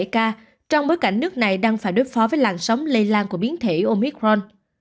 hai mươi ba năm trăm năm mươi bảy ca trong bối cảnh nước này đang phải đối phó với làn sóng lây lan của biến thể omicron